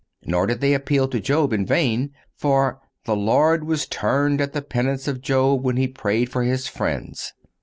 (201) Nor did they appeal to Job in vain; for, "the Lord was turned at the penance of Job when he prayed for his friends."